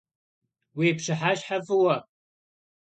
Vui pş'ıheşhe f'ıue!